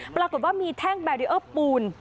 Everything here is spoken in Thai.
ปรากฏว่ามีแท่งแบรีเออร์ปูน